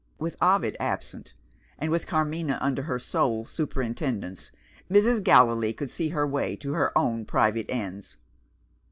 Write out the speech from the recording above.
With Ovid absent, and with Carmina under her sole superintendence, Mrs. Gallilee could see her way to her own private ends.